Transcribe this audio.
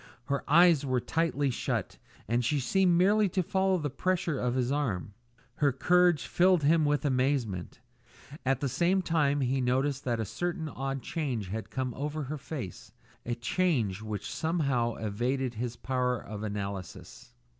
Her eyes were tightly shut, and she seemed merely to follow the pressure of his arm. Her courage filled him with amazement. At the same time he noticed that a certain odd change had come over her face, a change which somehow evaded his power of analysis.